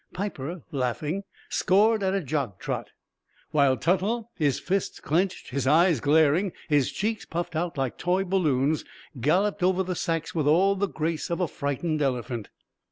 Piper, laughing, scored at a jog trot; while Tuttle, his fists clenched, his eyes glaring, his cheeks puffed out like toy balloons, galloped over the sacks with all the grace of a frightened elephant.